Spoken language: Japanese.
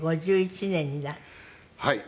はい。